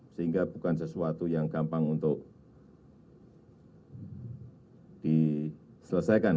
sehingga bukan sesuatu yang gampang untuk diselesaikan